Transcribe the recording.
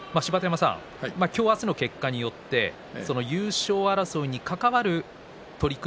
今日、明日の結果によって優勝争いに関わる取組